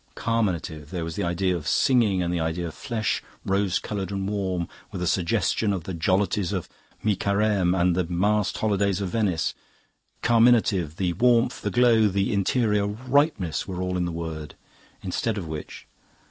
Carminative there was the idea of singing and the idea of flesh, rose coloured and warm, with a suggestion of the jollities of mi Careme and the masked holidays of Venice. Carminative the warmth, the glow, the interior ripeness were all in the word. Instead of which..."